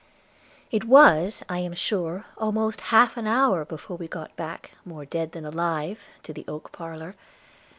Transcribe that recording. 'It was, I am sure, almost half an hour before we got back, more dead than alive, to the oak parlour.